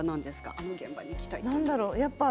あの現場に行きたいっていうのは。